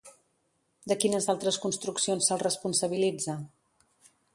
De quines altres construccions se'l responsabilitza?